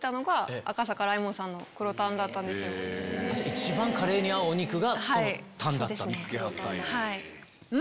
一番カレーに合うお肉がそのタンだった。